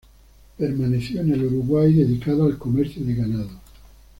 Permaneció en el Uruguay, dedicado al comercio de ganado.